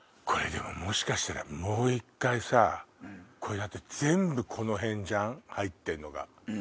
これでももしかしたらもう一回さこれだって全部このへんじゃん入ってんのが。